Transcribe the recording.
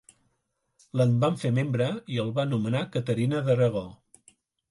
L'en van fer membre i el va nomenar Caterina d'Aragó.